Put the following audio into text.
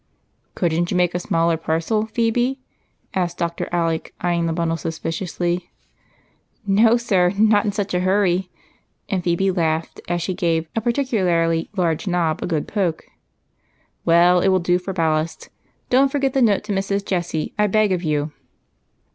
"Couldn't you make a smaller parcel, Phebe?" asked Dr. Alec, eying the bundle suspiciously. PHEBE'S SECRET. 97 " No, sir, not in such a hurry," and Phebe laughed as she gave a particularly large knob a good poke. " Well, it will do for ballast. Don't forget the note to Mrs. Jessie, I beg of you."